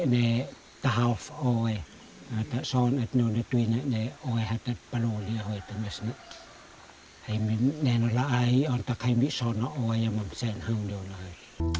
dia tersendiri di boti dengan budayanya unik sekali